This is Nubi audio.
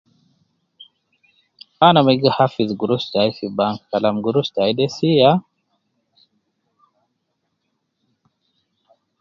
Ana mma gi hafiz gurush tayi fi bank kalam gurush tayi de siya.